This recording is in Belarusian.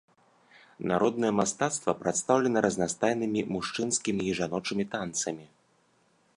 Народнае мастацтва прадстаўлена разнастайнымі мужчынскімі і жаночымі танцамі.